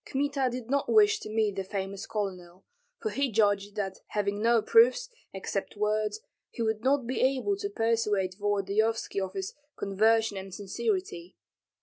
Kmita did not wish to meet the famous colonel, for he judged that having no proofs, except words, he would not be able to persuade Volodyovski of his conversion and sincerity.